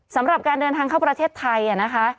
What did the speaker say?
สำหรับการเดินทางเข้าประเทศไทยนะคะ